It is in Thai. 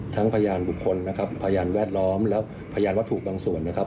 พยานบุคคลนะครับพยานแวดล้อมและพยานวัตถุบางส่วนนะครับ